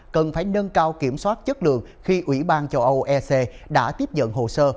cần phải nâng cao kiểm soát chất lượng khi ủy ban châu âu ec đã tiếp nhận hồ sơ